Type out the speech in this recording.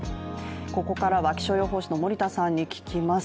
ここからは気象予報士の森田さんに聞きます。